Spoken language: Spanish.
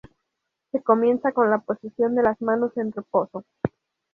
Se comienza con la posición de las manos en reposo.